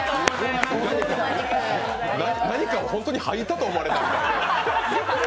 何かを本当に吐いたと思われた。